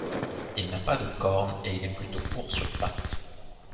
Il n'a pas de corne et il est plutôt court sur pattes.